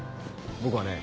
僕はね